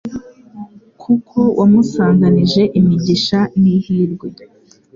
Kuko wamusanganije imigisha n’ihirwe